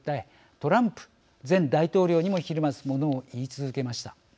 トランプ前大統領にもひるまずモノを言い続けました。